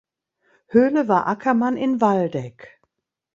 Höhle war Ackermann in Waldeck.